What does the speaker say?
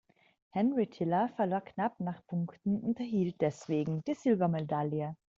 Henry Tiller verlor knapp nach Punkten und erhielt deswegen die Silbermedaille.